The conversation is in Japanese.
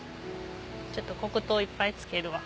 ちょっと黒糖いっぱい付けるわ。